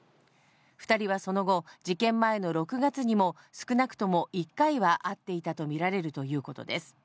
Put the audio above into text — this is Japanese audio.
２人はその後、事件前の６月にも、少なくとも１回は会っていたと見られるということです。